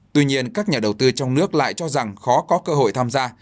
tuy nhiên các nhà đầu tư trong nước lại cho rằng khó có cơ hội tham gia